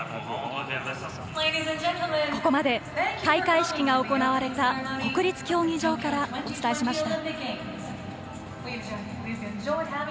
ここまで開会式が行われた国立競技場からお伝えしました。